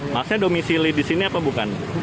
maksudnya domisili di sini apa bukan